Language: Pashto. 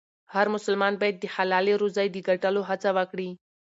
هر مسلمان باید د حلالې روزۍ د ګټلو هڅه وکړي.